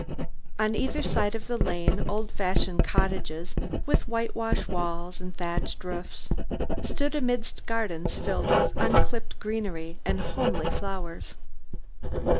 On either side of the lane, old fashioned cottages, with whitewash walls and thatched roofs, stood amidst gardens filled with unclipped greenery and homely flowers.